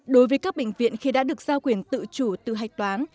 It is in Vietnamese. đối với các bệnh viện khi đã được giao quyền tự chủ tự hạch toán